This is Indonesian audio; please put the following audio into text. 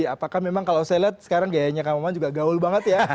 apakah memang kalau saya lihat sekarang gayanya kang maman juga gaul banget ya